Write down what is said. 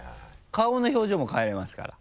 顔の表情も替えれますから。